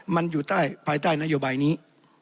มันอยู่ภายใต้นโยบายนี้